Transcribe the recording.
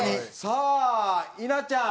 さあ稲ちゃん。